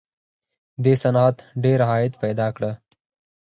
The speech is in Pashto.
دې صنعت ډېر عاید پیدا کړ